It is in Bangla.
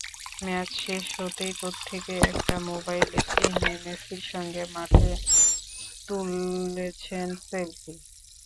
ম্যাচ শেষ হতেই কোত্থেকে একটা মোবাইল এনে মেসির সঙ্গে মাঠে তুলেছেন সেলফি।